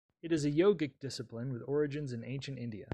It is a yogic discipline with origins in ancient India.